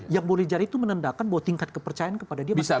yang boleh jadi itu menandakan bahwa tingkat kepercayaan kepada dia besar